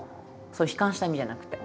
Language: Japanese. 悲観した意味じゃなくて。